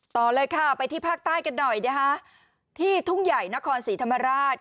ต่อเลยค่ะไปที่ภาคใต้กันหน่อยนะคะที่ทุ่งใหญ่นครศรีธรรมราช